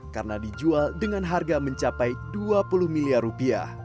karena dijual dengan harga mencapai dua puluh miliar rupiah